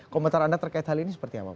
komentar anda terkait hal ini seperti apa